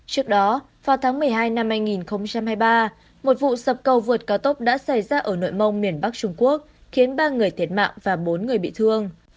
trước đó vào tháng một mươi hai năm hai nghìn hai mươi ba một vụ sập cầu vượt cao tốc đã xảy ra ở nội mông miền bắc trung quốc khiến ba người thiệt mạng và bốn người bị thương